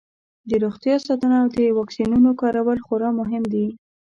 د روغتیا ساتنه او د واکسینونو کارول خورا مهم دي.